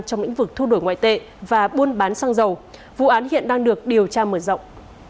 trong lĩnh vực thu đổi ngoại tệ và buôn bán xăng dầu vụ án hiện đang được điều tra mở rộng